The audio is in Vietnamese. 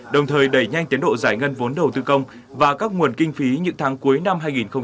đồng thời đẩy nhanh tiến độ giải ngân vốn đầu tư công và các nguồn kinh phí những tháng cuối năm hai nghìn hai mươi